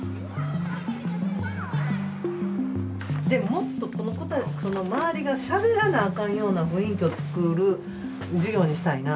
もっと周りがしゃべらなあかんような雰囲気をつくる授業にしたいな。